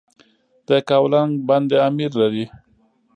د یکاولنګ بند امیر لري